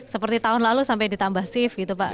seperti tahun lalu sampai ditambah shift gitu pak